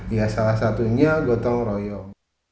ya salah satunya gotong royong